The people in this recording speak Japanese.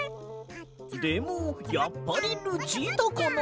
「でもやっぱりルチータかな」。